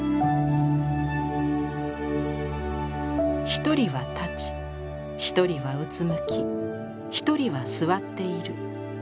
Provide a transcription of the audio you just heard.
「一人は立ち一人はうつむき一人は座っている。